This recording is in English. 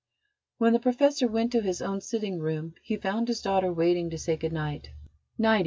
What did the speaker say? When the Professor went to his own sitting room he found his daughter waiting to say good night.